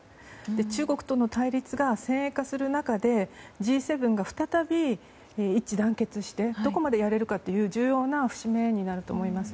中国との対立が先鋭化する中でＧ７が再び一致団結してどこまでやれるかという重要な節目になると思います。